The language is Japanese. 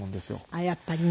あっやっぱりね。